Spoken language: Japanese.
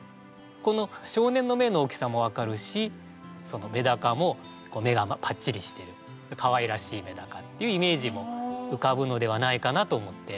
この少年の目の大きさも分かるしメダカも目がぱっちりしてるかわいらしいメダカっていうイメージも浮かぶのではないかなと思って。